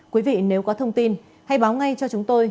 quý vị nếu có thông tin hãy báo ngay cho chúng tôi